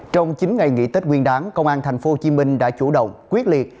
trong chín ngày nghỉ tết nguyên đáng công an tp hcm đã chủ động quyết liệt